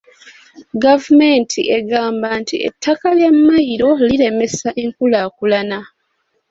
Gavumenti egamba nti ettaka lya mmayiro liremesa enkulaakulana.